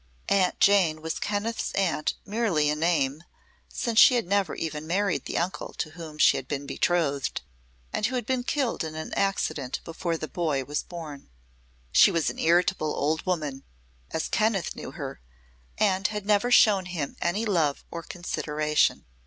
Aunt Jane was Kenneth's aunt merely in name, since she had never even married the uncle to whom she had been betrothed, and who had been killed in an accident before the boy was born. She was an irritable old woman, as Kenneth knew her, and had never shown him any love or consideration.